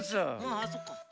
あっそっか。